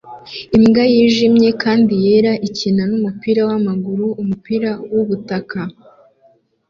Imbwa yijimye kandi yera ikina numupira wamaguru umupira wubutaka